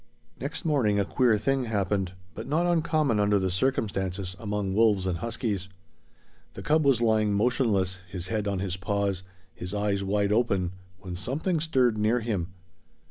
Next morning a queer thing happened, but not uncommon under the circumstances among wolves and huskies. The cub was lying motionless, his head on his paws, his eyes wide open, when something stirred near him.